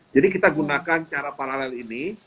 jadi kita gunakan cara paralel ini